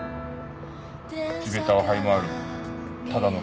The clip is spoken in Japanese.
地べたを這い回るただの刑事だ。